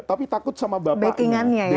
tapi takut sama bapaknya